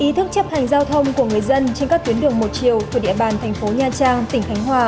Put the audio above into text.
ý thức chấp hành giao thông của người dân trên các tuyến đường một chiều thuộc địa bàn thành phố nha trang tỉnh khánh hòa